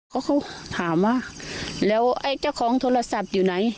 ก็เขาถามว่าแล้วไอ้เจ้าของโทรศัพท์อยู่ไหน